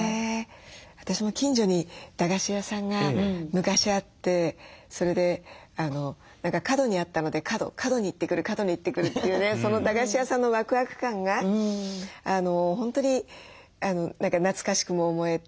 私も近所に駄菓子屋さんが昔あってそれで何か角にあったので「カドに行ってくるカドに行ってくる」っていうねその駄菓子屋さんのワクワク感が本当に何か懐かしくも思えて。